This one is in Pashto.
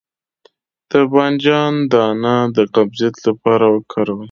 د بانجان دانه د قبضیت لپاره وکاروئ